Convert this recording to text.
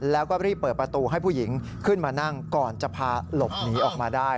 แล้วก็รีบเปิดประตูให้ผู้หญิงขึ้นมานั่งก่อนจะพาหลบหนีออกมาได้